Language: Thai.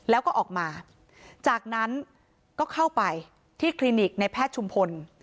แล้วก็ออกมาจากนั้นก็เข้าไปที่คลินิกในแพทย์ชุมพล